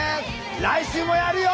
来週もやるよ！